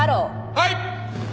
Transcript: はい。